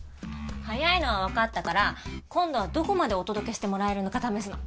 早いのは分かったから今度はどこまでお届けしてもらえるのか試すの。